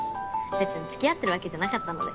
別に付き合ってるわけじゃなかったので。